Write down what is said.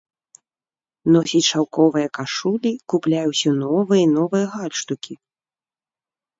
Носіць шаўковыя кашулі, купляе ўсё новыя і новыя гальштукі.